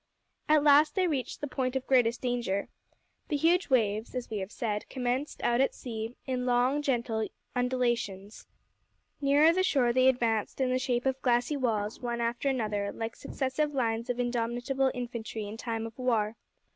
At last they reached the point of greatest danger. The huge waves, as we have said, commenced out at sea in long, gentle undulations. Nearer the shore they advanced in the shape of glassy walls, one after another, like successive lines of indomitable infantry in time of war.